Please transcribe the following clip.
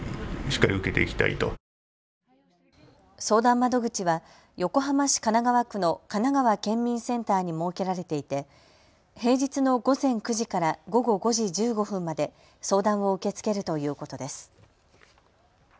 相談窓口は横浜市神奈川区のかながわ県民センターに設けられていて平日の午前９時から午後５時１５分まで相談を受け付けるということです。